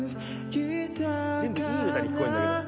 全部いい歌に聞こえるんだけど。